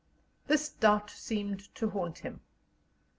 This doubt seemed to haunt him.